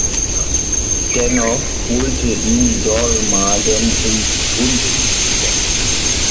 Dennoch holte ihn Dormagen in die Bundesliga.